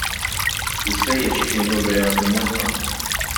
Jista' jgħid x'kienu r-reati mwettqa?